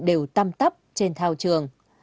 đều tăm tắp trên thao trường